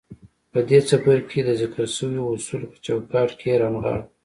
په دې څپرکي کې د ذکر شويو اصولو په چوکاټ کې يې رانغاړو.